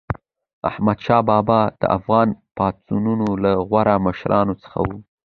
احمدشاه بابا د افغان پاچاهانو له غوره مشرانو څخه و.